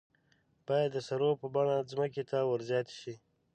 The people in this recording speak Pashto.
باید د سرو په بڼه ځمکې ته ور زیاتې شي.